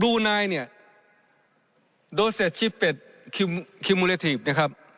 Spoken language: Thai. ดูนายเนี่ยโดสแชทชิปเป็นคิมูเรทีปนะครับ